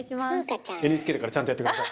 ＮＨＫだからちゃんとやって下さい。